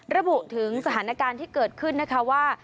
ระบุถึงสถานการณ์ที่เกิดขึ้นนะคะว่า